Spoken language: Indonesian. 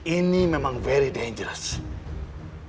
ini memang sangat berbahaya